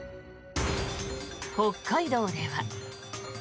北海道では。